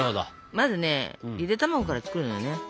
まずねゆで卵から作るのよね。